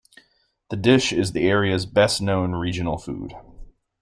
The dish is the area's best-known regional food.